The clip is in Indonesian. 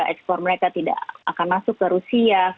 ekspor mereka tidak akan masuk ke rusia